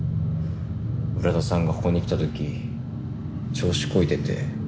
浦田さんがここに来た時調子こいてて。